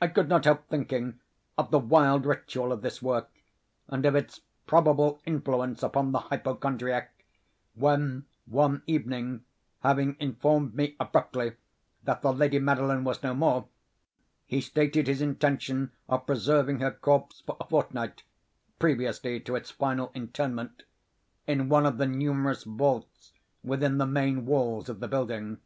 I could not help thinking of the wild ritual of this work, and of its probable influence upon the hypochondriac, when, one evening, having informed me abruptly that the lady Madeline was no more, he stated his intention of preserving her corpse for a fortnight, (previously to its final interment,) in one of the numerous vaults within the main walls of the building.